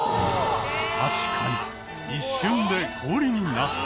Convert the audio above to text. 確かに一瞬で氷になった。